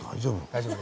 大丈夫？